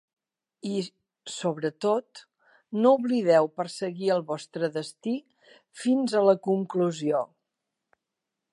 I, sobretot, no oblideu perseguir el vostre destí fins a la conclusió.